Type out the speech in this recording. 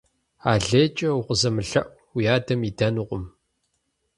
Алейкӏэ укъызэмылъэӏу, уи адэм идэнукъым.